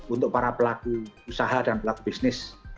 untuk para pelaku usaha dan pelaku bisnis